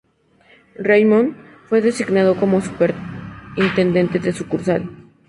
Raymond fue designado como superintendente de sucursal.